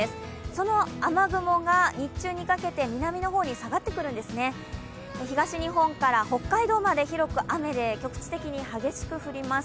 その雨雲が日中にかけて南の方に下がってくるんですね、東日本から北海道まで広く雨で局地的に激しく降ります。